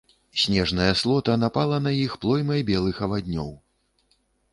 Снежная слота напала на іх плоймай белых аваднёў.